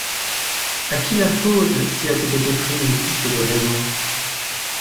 A qui la faute si elle s'était éprise plus que de raison?